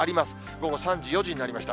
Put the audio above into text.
午後３時、４時になりました。